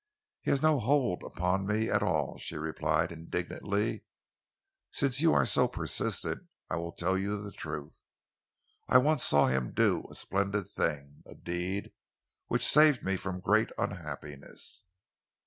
"He has no hold upon me at all," she replied indignantly. "Since you are so persistent, I will tell you the truth. I once saw him do a splendid thing, a deed which saved me from great unhappiness."